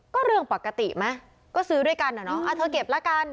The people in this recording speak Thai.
ก็เรื่องปกติมั้ยก็ซื้อด้วยกันเหรอเนอะอ่าเธอเก็บละกัน